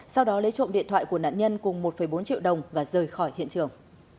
sau đó lấy trộm điện thoại của nạn nhân cùng một bốn triệu đồng và rời khỏi hiện trường